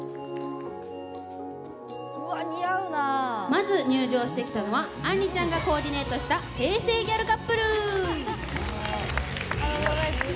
まず入場してきたのはあんりちゃんがコーディネートした平成ギャルカップル。